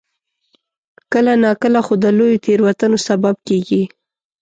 کله ناکله خو د لویو تېروتنو سبب کېږي.